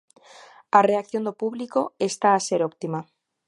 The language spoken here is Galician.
A reacción do público está a ser óptima.